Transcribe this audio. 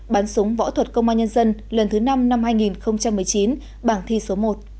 bắn súng võ thuật công an nhân dân lần thứ năm năm hai nghìn một mươi chín bảng thi số một